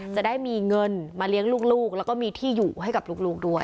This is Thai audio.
จะได้มีเงินมาเลี้ยงลูกแล้วก็มีที่อยู่ให้กับลูกด้วย